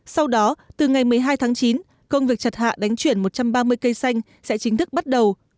sau đó từ ngày một mươi hai tháng chín công việc chặt hạ đánh chuyển một trăm ba mươi cây xanh sẽ chính thức bắt đầu